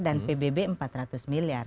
dan pbb rp empat ratus miliar